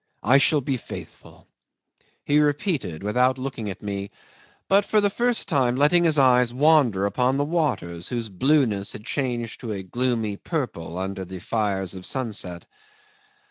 "I shall be faithful," he repeated, without looking at me, but for the first time letting his eyes wander upon the waters, whose blueness had changed to a gloomy purple under the fires of sunset.